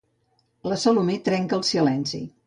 La Salomé trenca el silenci.